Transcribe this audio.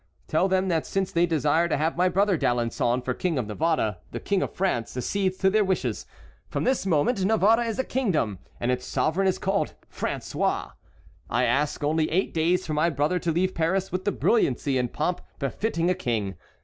Tell them that since they desire to have my brother d'Alençon for King of Navarre the King of France accedes to their wishes. From this moment Navarre is a kingdom, and its sovereign is called François. I ask only eight days for my brother to leave Paris with the brilliancy and pomp befitting a king.